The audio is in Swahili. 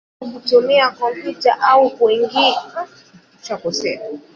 Video, kutumia kompyuta au kuangalia mchezo wa mpira wa miguu.